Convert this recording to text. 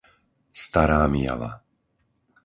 Stará Myjava